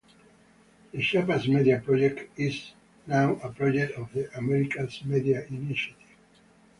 The Chiapas Media Project is now a project of the Americas Media Initiative.